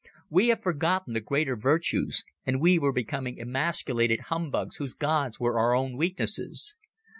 We have forgotten the greater virtues, and we were becoming emasculated humbugs whose gods were our own weaknesses.